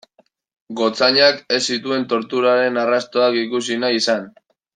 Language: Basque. Gotzainak ez zituen torturaren arrastoak ikusi nahi izan.